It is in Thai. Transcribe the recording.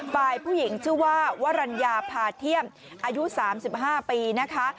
ฝ่ายผู้หญิงชื่อว่าวรรณญาพาเทียมอายุ๓๕ปีนะคะ